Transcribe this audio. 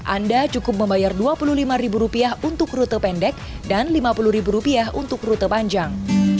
anda cukup membayar dua puluh lima rupiah untuk rute pendek dan lima puluh rupiah untuk rute panjang